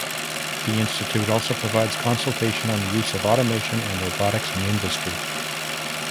The institute also provides consultation on the use of automation and robotics in industry.